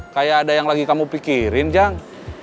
kayak ada yang lagi kamu pikirin jang